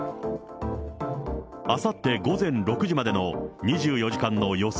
あさって午前６時までの２４時間の予想